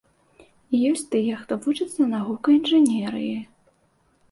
І ёсць тыя, хто вучыцца на гукаінжынерыі.